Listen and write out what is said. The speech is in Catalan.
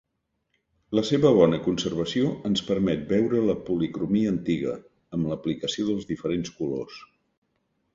La seva bona conservació ens permet veure la policromia antiga, amb l'aplicació dels diferents colors.